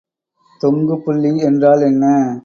தொங்குபுள்ளி என்றால் என்ன?